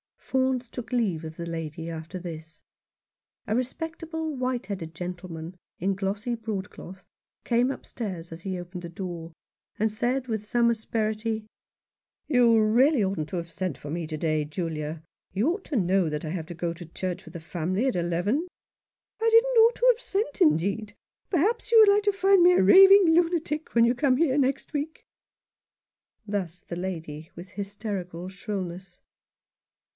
" Faunce took leave of the lady after this. A respectable, white headed gentleman, in glossy broadcloth, came upstairs as he opened the door, and said with some asperity —" You really oughtn't to have sent for me to day, Julia. You ought to know that I have to go to church with the family at eleven." " I didn't ought to have sent, indeed ! Perhaps you would like to find me a raving lunatic when you come here next week ?" Thus the lady, with hysterical shrillness.